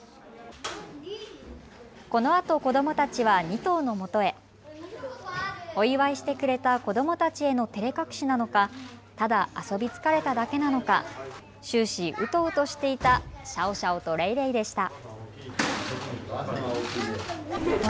このあと子どもたちは２頭のもとへ。お祝いしてくれた子どもたちへのてれ隠しなのか、ただ遊び疲れただけなのか、終始、うとうとしていたシャオシャオとレイレイでした。